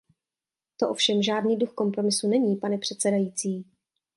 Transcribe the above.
To ovšem žádný duch kompromisu není, pane předsedající.